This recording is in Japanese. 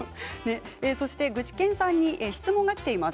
具志堅さんに質問がきています。